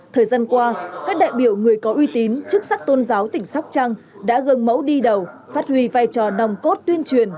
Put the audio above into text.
thời gian qua các đại biểu người có uy tín chức sắc tôn giáo tỉnh sóc trăng đã gần mẫu đi đầu phát huy vai trò nòng cốt tuyên truyền